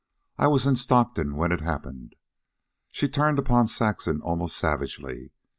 "I was in Stockton when it happened." She turned upon Saxon almost savagely.